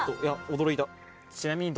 驚いた。